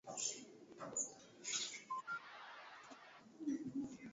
vinaweza kuhusishwa na sumu, wameongeza